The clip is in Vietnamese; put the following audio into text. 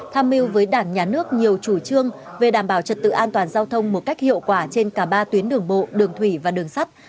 tham mưu với đảng nhà nước nhiều chủ trương về đảm bảo trật tự an toàn giao thông một cách hiệu quả trên cả ba tuyến đường bộ đường thủy và đường sắt